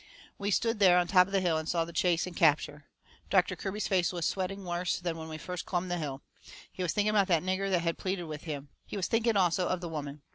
We stood there on top of the hill and saw the chase and capture. Doctor Kirby's face was sweating worse than when we first clumb the hill. He was thinking about that nigger that had pleaded with him. He was thinking also of the woman.